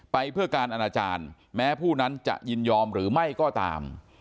ไปเพื่อการอนาจารย์แม้ผู้นั้นจะยินยอมหรือไม่ก็ตาม